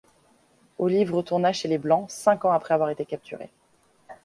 Olive retourna chez les Blancs cinq ans après avoir été capturée.